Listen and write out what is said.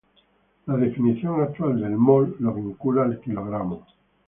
La definición actual del mol lo vincula al kilogramo.